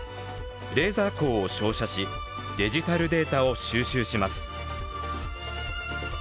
レーザー光を照射しデジタルデータを収集します。